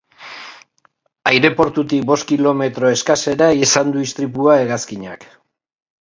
Aireportutik bost kilometro eskasera izan du istripua hegazkinak.